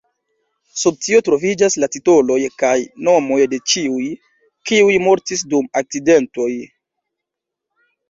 Sub tio troviĝas la titoloj kaj nomoj de ĉiuj, kiuj mortis dum akcidentoj.